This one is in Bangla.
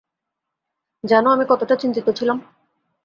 জানো, আমি কতটা চিন্তিত ছিলাম?